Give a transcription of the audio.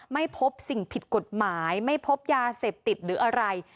ไม่พบสิ่งผิดกฎหมายไม่พบยาเสพติดหรืออะไร